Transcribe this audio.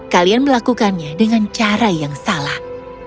kalian melakukannya dengan cara yang salah